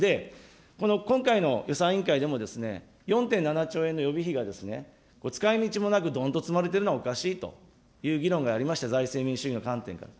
この、今回の予算委員会でも、４．７兆円の予備費が、使いみちもなくどんと積まれているのはおかしいという議論がありました、財政民主主義の観点から。